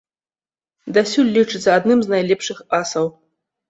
Дасюль лічыцца адным з найлепшых асаў.